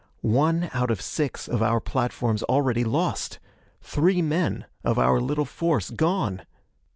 One out of six of our platforms already lost! Three men of our little force gone!